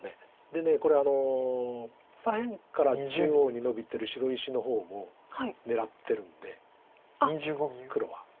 でこれ左辺から中央にのびてる白石の方も狙ってるんで黒は。